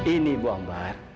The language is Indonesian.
ini bu ambar